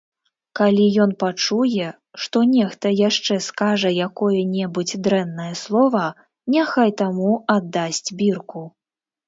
Калі ён пачуе, што нехта яшчэ скажа якое-небудзь дрэннае слова, няхай таму аддасць бірку.